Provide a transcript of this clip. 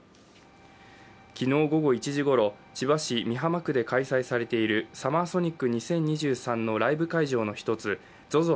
昨日午後１時ごろ、千葉市美浜区で開催されているＳＵＭＭＥＲＳＯＮＩＣ２０２３のライブ会場の１つ、ＺＯＺＯ